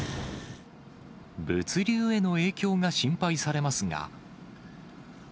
物流への影響が心配されますが。